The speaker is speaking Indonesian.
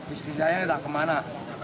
istri saya nggak tahu kemana